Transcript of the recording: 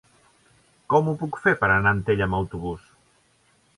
Com ho puc fer per anar a Antella amb autobús?